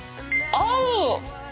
合う？